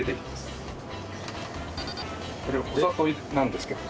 これをお砂糖なんですけど。